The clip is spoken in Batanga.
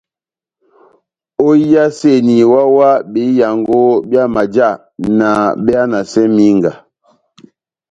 Óhiyaseni wáhá-wáhá behiyango byá majá na behanasɛ mínga.